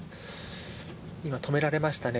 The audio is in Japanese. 今、止められましたね。